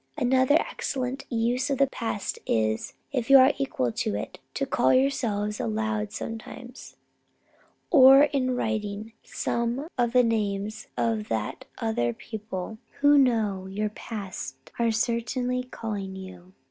Another excellent use of the past is, if you are equal to it, to call yourself aloud sometimes, or in writing, some of the names that other people who know your past are certainly calling you.